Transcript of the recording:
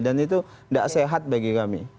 dan itu gak sehat bagi kami